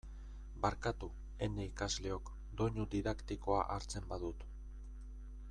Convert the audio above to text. Barkatu, ene ikasleok, doinu didaktikoa hartzen badut.